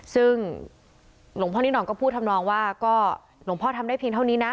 ซึ่งหลวงพ่อนินอนก็พูดทำนองว่าก็หลวงพ่อทำได้เพียงเท่านี้นะ